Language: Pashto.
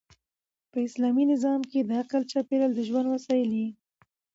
په اسلامي نظام کښي د عقل چاپېریال د ژوند وسایل يي.